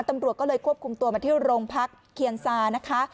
ตำรวจก็เลยควบคุมตัวมาที่โรงพักเคียนซานะคะ